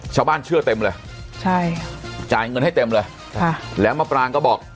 ชาวบ้านเชื่อเต็มเลยใช่จ่ายเงินให้เต็มเลยครับแล้วมพรางก็บอก